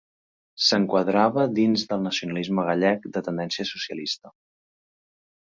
S'enquadrava dins del nacionalisme gallec de tendència socialista.